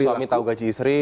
jadi suami tahu gaji istri